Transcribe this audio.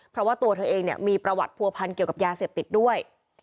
เพราะว่าตัวเธอเองเนี่ยมีประวัติผัวพันธ์เกี่ยวกับยาเสพติดด้วย